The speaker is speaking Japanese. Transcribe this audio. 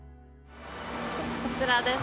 こちらです。